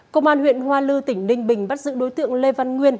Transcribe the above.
công an huyện hoa lư tỉnh ninh bình bắt giữ đối tượng lê văn nguyên